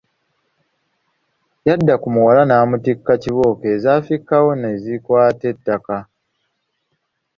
Yadda ku muwala n’amutikka kibooko ezaafikkawo ne zikwata ettaka.